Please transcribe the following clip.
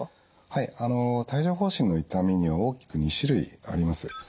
はいあの帯状ほう疹の痛みには大きく２種類あります。